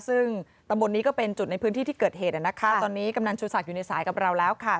ซึ่งตำบลนี้ก็เป็นจุดในพื้นที่ที่เกิดเหตุนะคะตอนนี้กำนันชูศักดิ์อยู่ในสายกับเราแล้วค่ะ